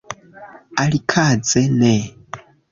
Alikaze ne.